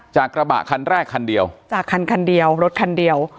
กระบะคันแรกคันเดียวจากคันคันเดียวรถคันเดียว